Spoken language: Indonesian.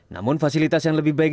namun fasilitas yang lebih baik